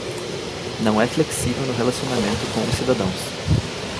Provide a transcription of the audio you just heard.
Não é flexível no relacionamento com os cidadãos.